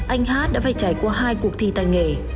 anh hát đã phải trải qua hai cuộc thi tài nghề